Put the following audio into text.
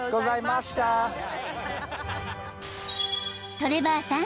［トレバーさん。